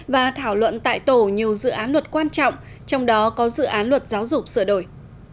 và thảo luận tại tổ nhiều dự án luật quan trọng trong đó có dự án luật giáo dục sửa đổi